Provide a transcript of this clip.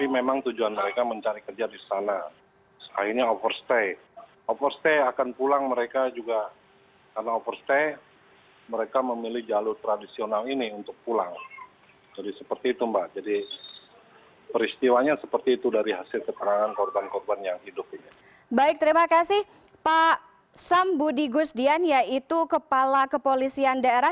memang itu bukan kebijakan kenyataan mereka